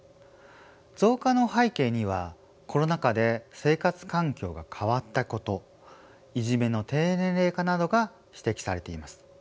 増加の背景にはコロナ禍で生活環境が変わったこといじめの低年齢化などが指摘されています。